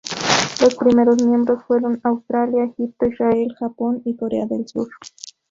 Los primeros miembros fueron Australia, Egipto, Israel, Japón y Corea del Sur.